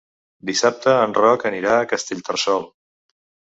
Dissabte en Roc anirà a Castellterçol.